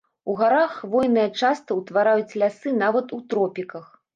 У гарах хвойныя часта ўтвараюць лясы нават у тропіках.